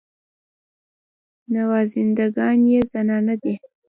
نوازنده ګان یې زنانه دي.